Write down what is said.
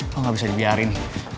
kok gak bisa dibiarin